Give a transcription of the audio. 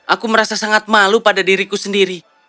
aku merasa sangat malu pada diriku sendiri